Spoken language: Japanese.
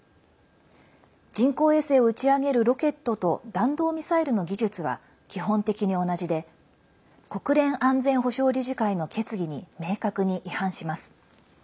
人工衛星を打ち上げるロケットと弾道ミサイルの技術は基本的に同じで国連安全保障理事会の決議に明確に違反します。